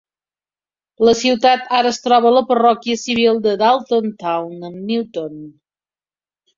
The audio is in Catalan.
La ciutat ara es troba a la parròquia civil de Dalton Town amb Newton.